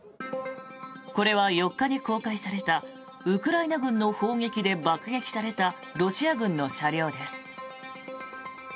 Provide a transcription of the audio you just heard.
これは４日に公開されたウクライナ軍の砲撃で爆撃されたロシア軍の車両です。